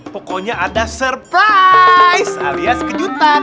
pokoknya ada surprise alias kejutan